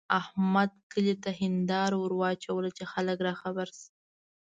احمد کلي ته هېنداره ور واچوله چې خلګ راخبر شي.